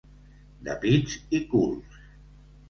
De pits i culs.